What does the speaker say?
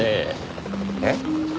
えっ？